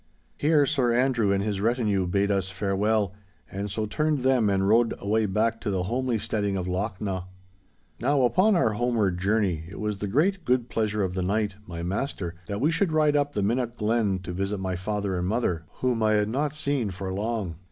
Here Sir Andrew and his retinue bade us farewell, and so turned them and rode away back to the homely steading of Lochnaw. Now, upon our homeward journey it was the great good pleasure of the knight, my master, that we should ride up the Minnoch Glen to visit my father and mother, whom I had not seen for long.